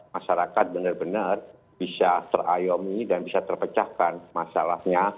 masyarakat benar benar bisa terayomi dan bisa terpecahkan masalahnya